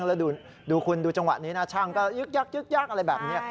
แล้วดูคุณดูจังหวะนี้นะช่างก็ยึกยักยักอะไรแบบนี้